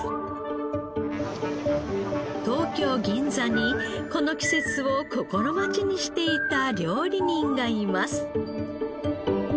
東京銀座にこの季節を心待ちにしていた料理人がいます。